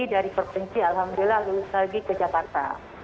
dari provinsi alhamdulillah lulus lagi ke jakarta